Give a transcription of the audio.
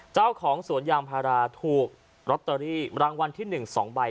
เจ้าของสวนยางพาราถูกลอตเตอรี่รางวัลที่๑๒ใบ